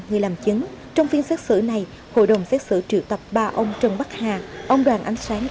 người làm chứng trong phiên xét xử này hội đồng xét xử triệu tập ba ông trần bắc hà ông đoàn ánh sáng